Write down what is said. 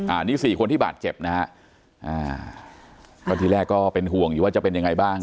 อันนี้สี่คนที่บาดเจ็บนะฮะอ่าก็ทีแรกก็เป็นห่วงอยู่ว่าจะเป็นยังไงบ้าง